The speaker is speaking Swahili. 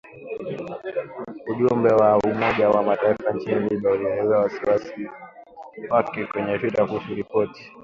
Ujumbe wa Umoja wa Mataifa nchini Libya ulielezea wasiwasi wake kwenye twitter kuhusu ripoti